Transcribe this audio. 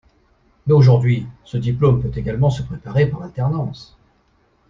Mais aujourd'hui, ce diplôme peut également se préparer par alternance.